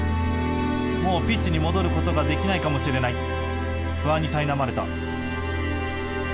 もうピッチに戻ることができないかもしれない不安にさいなまれた。